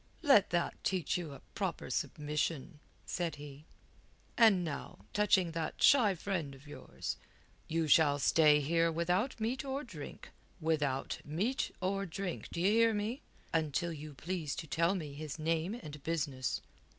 "Let that teach you a proper submission," said he. "And now touching that shy friend of yours, you shall stay here without meat or drink without meat or drink, d' ye hear me? until you please to tell me his name and business."